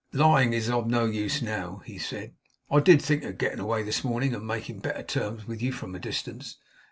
'Lying is of no use now,' he said. 'I DID think of getting away this morning, and making better terms with you from a distance.